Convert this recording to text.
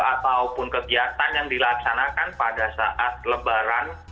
ataupun kegiatan yang dilaksanakan pada saat lebaran